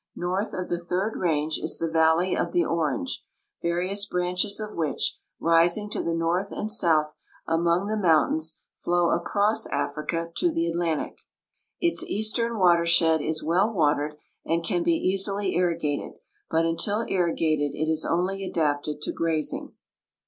North of the third range is the valley of the Orange, various branches of which, rising to the north and south among the mountains, flow across Africa to the Atlantic. Its eastern watershed is well watered and can be easily irrigated, but until irrigated it is only adapted to grazing.